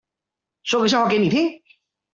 說個笑話給你聽